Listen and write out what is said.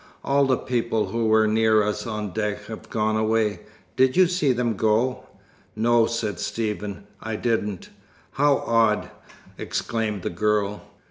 All the people who were near us on deck have gone away. Did you see them go?" "No," said Stephen, "I didn't." "How odd!" exclaimed the girl.